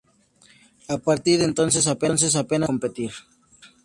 A partir de entonces apenas volvió a competir.